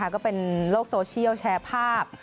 ก็เป็นโลกโซเชียลแชร์ภาพ